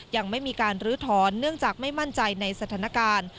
ยังไม่มีการลื้อถอนเนื่องจากไม่มั่นใจในสถานการณ์